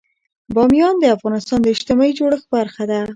بامیان د افغانستان د اجتماعي جوړښت برخه ده.